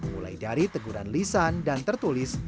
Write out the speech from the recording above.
mulai dari teguran lisan dan tertulis